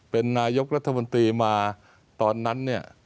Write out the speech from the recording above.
เป็นนายกรัฐมนตรีมาตอนนั้นเนี่ย